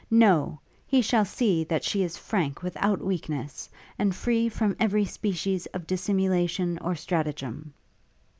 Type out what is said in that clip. No! he shall see that she is frank without weakness, and free from every species of dissimulation or stratagem.'